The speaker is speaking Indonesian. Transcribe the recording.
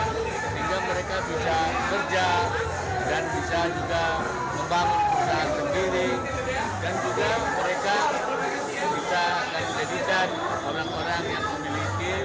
sehingga mereka bisa kerja dan bisa juga membangun perusahaan sendiri dan juga mereka bisa jadikan orang orang yang memiliki